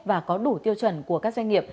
và có đủ tiêu chuẩn của các doanh nghiệp